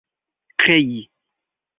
krei